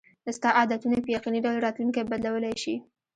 ستا عادتونه په یقیني ډول راتلونکی بدلولی شي.